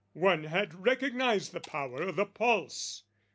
One had recognised the power o' the pulse.